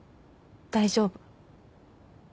大丈夫。